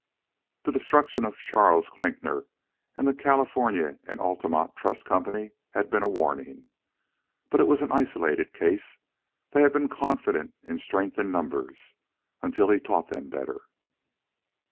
The destruction of Charles Klinkner and the California and Altamont Trust Company had been a warning. But it was an isolated case; they had been confident in strength in numbers until he taught them better.